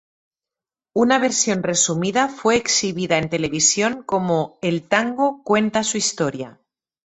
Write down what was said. Una versión resumida fue exhibida en televisión como "El tango cuenta su historia".